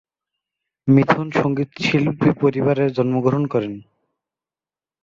মিথুন সঙ্গীতশিল্পী পরিবারে জন্মগ্রহণ করেন।